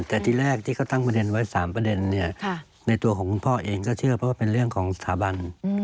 แต่ที่แรกที่เขาตั้งประเด็นไว้๓ประเด็นในตัวของคุณพ่อเองก็เชื่อเพราะว่าเป็นเรื่องของสถาบัน